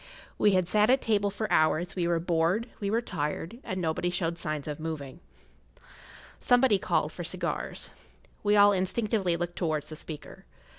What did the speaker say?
[Pg 6] We had sat at table for hours; we were bored, we were tired, and nobody showed signs of moving. Somebody called for cigars. We all instinctively looked towards the speaker.